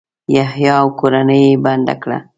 یحیی او کورنۍ یې بنده کړه.